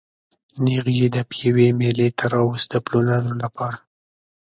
نېغ یې د پېوې مېلې ته راوست د پلورلو لپاره.